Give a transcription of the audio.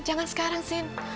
jangan sekarang sini